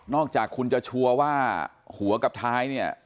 จากคุณจะชัวร์ว่าหัวกับท้ายเนี่ย